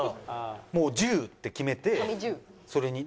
もう１０って決めてそれに。